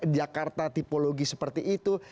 jakarta tipologi seperti itu